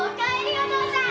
お父さん！